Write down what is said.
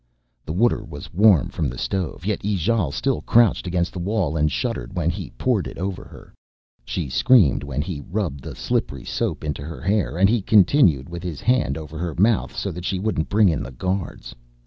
The water was warm from the stove, yet Ijale still crouched against the wall and shuddered when he poured it over her. She screamed when he rubbed the slippery soap into her hair, and he continued with his hand over her mouth so that she wouldn't bring in the guards.